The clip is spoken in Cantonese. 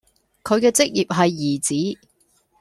佢嘅職業係兒子